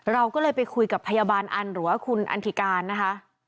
เราก็ไปคุยกับพยาบาลอันหรวะคุณอนฑิกาล